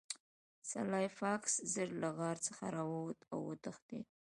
سلای فاکس ژر له غار څخه راووت او وتښتید